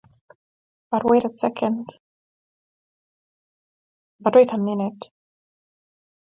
But wait a minute!